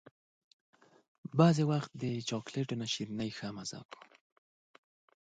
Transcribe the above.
کله کله تر چاکلېټو پلمېټ ښه خوند کوي.